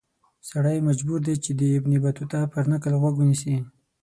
سړی مجبور دی چې د ابن بطوطه پر نکل غوږ ونیسي.